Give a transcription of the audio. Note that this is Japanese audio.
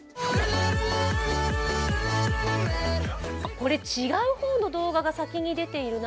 これ、違う方の動画が先に出ているな。